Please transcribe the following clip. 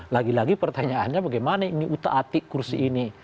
lagi lagi pertanyaannya bagaimana ini uta ati kursi ini